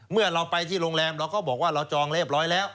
เมื่อเราไปที่โรงแรมเราก็บอกว่าเราจองเรียบร้อยแล้ว